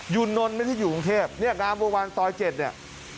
ยูนนนไม่อยู่กรุงเทพกงานวันน์ต่อย๗นี่